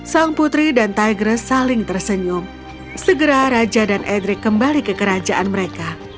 sang putri dan tigress saling tersenyum segera raja dan edric kembali ke kerajaan mereka